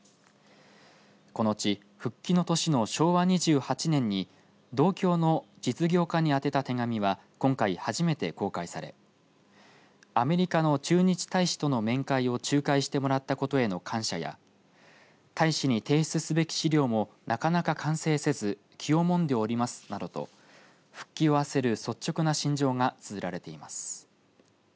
このうち復帰の年の昭和２８年に同郷の実業家に宛てた手紙は今回初めて公開されアメリカの駐日大使との面会を仲介してもらったことへの感謝や大使に提出すべき資料もなかなか完成せず気をもんでおりますなどと復帰を焦る率直な心情がつづられています。